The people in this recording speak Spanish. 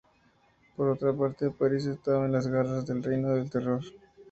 Por otra parte, París estaba en las garras del Reino del Terror.